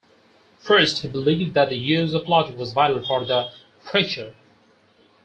First, he believed that the use of logic was vital for the preacher.